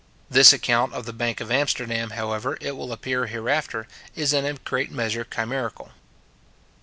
This account of the bank of Amsterdam, however, it will appear hereafter, is in a great measure chimerical.